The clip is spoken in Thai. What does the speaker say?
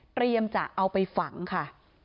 เตรียมจะเอาไปฝั่งค่ะ